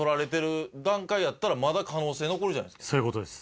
そういう事です。